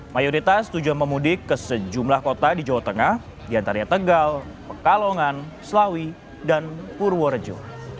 mayoritas tujuan pemudik ke sejumlah kota di jawa tengah diantaranya tegal pekalongan selawi dan purworejo